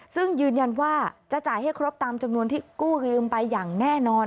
ซึ่งยืนยันว่าจะจ่ายให้ครบตามจำนวนที่กู้ยืมไปอย่างแน่นอน